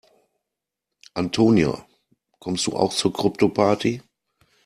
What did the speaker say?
Antonia, kommst du auch zur Kryptoparty?